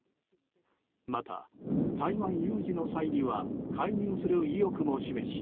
また、台湾有事の際には介入する意欲も示し